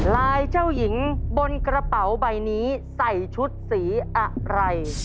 ลายเจ้าหญิงบนกระเป๋าใบนี้ใส่ชุดสีอะไร